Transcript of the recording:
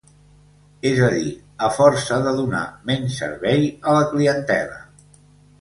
És a dir, a força de donar menys servei a la clientela.